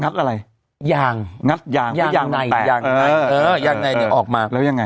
ัดอะไรยางงัดยางงัดยางในยางในเออยังไงเนี่ยออกมาแล้วยังไง